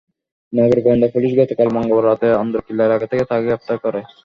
নগর গোয়েন্দা পুলিশ গতকাল মঙ্গলবার রাতে আন্দরকিল্লা এলাকা থেকে তাঁকে গ্রেপ্তার করে।